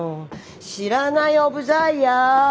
知らないオブザイヤー。